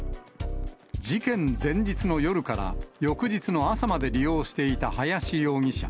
事件前日の夜から翌日の朝まで利用していた林容疑者。